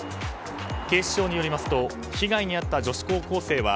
警視庁によりますと被害に遭った女子高校生は